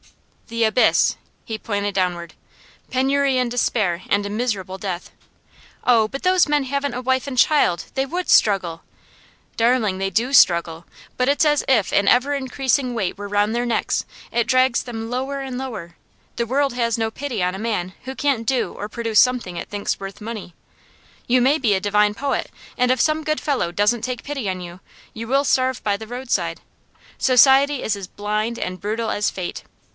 'The abyss.' He pointed downward. 'Penury and despair and a miserable death.' 'Oh, but those men haven't a wife and child! They would struggle ' 'Darling, they do struggle. But it's as if an ever increasing weight were round their necks; it drags them lower and lower. The world has no pity on a man who can't do or produce something it thinks worth money. You may be a divine poet, and if some good fellow doesn't take pity on you you will starve by the roadside. Society is as blind and brutal as fate.